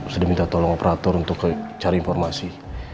sedang minta tolong operator untuk ke cari informasi